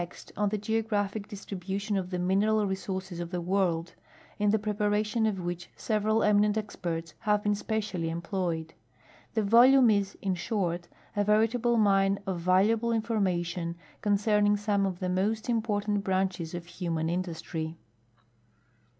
xt on the geographic dis tribution of the mineral resources of the world, in the.preparation of which several enunent experts hav'e been specially employed. The volume is, in short, a veritable mine of valuable information concerning some of the most important branches of human industry.